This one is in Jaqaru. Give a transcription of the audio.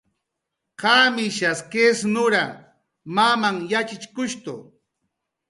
Mamanh yatxichkush qamish kis nurja.